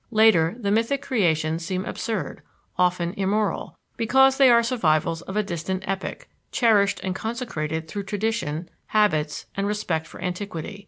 Later, the mythic creations seem absurd, often immoral, because they are survivals of a distant epoch, cherished and consecrated through tradition, habits, and respect for antiquity.